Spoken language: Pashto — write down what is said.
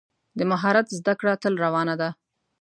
د مهارت زده کړه تل روانه ده.